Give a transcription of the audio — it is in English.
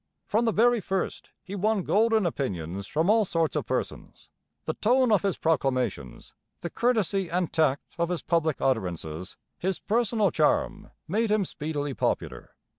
From the very first he won golden opinions from all sorts of persons. The tone of his proclamations, the courtesy and tact of his public utterances, his personal charm made him speedily popular.